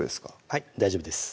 はい大丈夫です